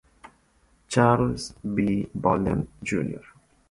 Charles F. Bolden, Jr.